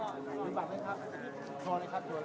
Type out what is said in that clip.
เมื่อเวลาอันดับสุดท้ายมันกลายเป็นอันดับสุดท้าย